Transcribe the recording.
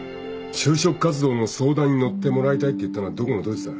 就職活動の相談に乗ってもらいたいって言ったのはどこのどいつだ。